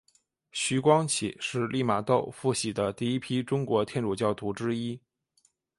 徐光启是利玛窦付洗的第一批中国天主教徒之一。